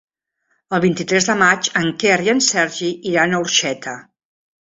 El vint-i-tres de maig en Quer i en Sergi iran a Orxeta.